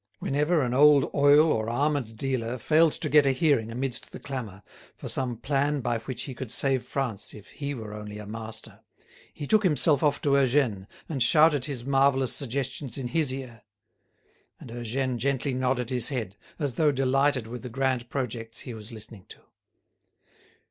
Whenever an old oil or almond dealer failed to get a hearing, amidst the clamour, for some plan by which he could save France if he were only a master, he took himself off to Eugène and shouted his marvellous suggestions in his ear. And Eugène gently nodded his head, as though delighted with the grand projects he was listening to.